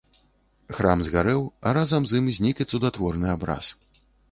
Храм згарэў, а разам з ім знік і цудатворны абраз.